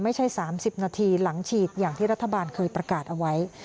ไม่ใช่๓๐นาทีหลังฉีดอย่างที่รัฐบาลเคยประกาศเอาไว้